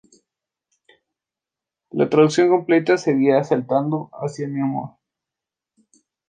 La traducción completa sería "Saltando hacia mi amor".